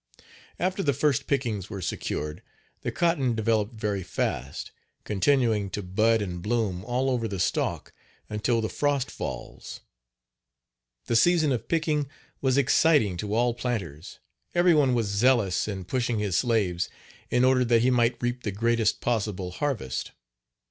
After the first pickings were secured the cotton developed very fast, continuing to bud and bloom all over the stalk until the frost falls. The season of picking was exciting to all planters, every one was zealous in pushing his slaves in order that he might reap the greatest possible harvest.